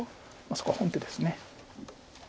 そこは本手です。